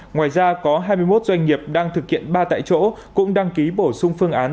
ngoài ra có hai mươi một doanh nghiệp đang thực hiện ba tại chỗ cũng đăng ký bổ sung phương án